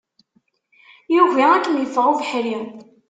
Yugi ad kem-iffeɣ ubeḥri.